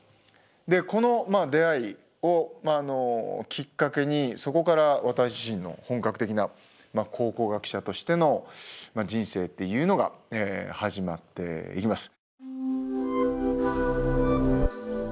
この出会いをきっかけにそこから私自身の本格的な考古学者としての人生っていうのが始まっていきます。